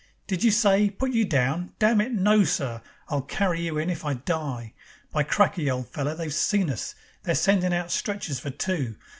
Did you say: Put you down? Damn it, no, sir! I'll carry you in if I die. By cracky! old feller, they've seen us. They're sendin' out stretchers for two.